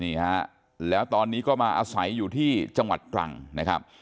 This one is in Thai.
นี่ฮะแล้วตอนนี้ก็มาอาศัยอยู่ที่จังหวัดตรังนะครับ